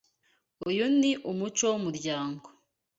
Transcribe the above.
Uyu ni umuco wumuryango.